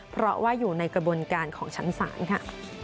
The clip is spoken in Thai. เพราะว่าอยู่ในกระบวนการของชั้นศาลค่ะ